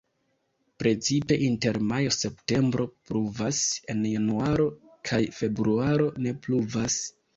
Precipe inter majo-septembro pluvas; en januaro kaj februaro ne pluvas.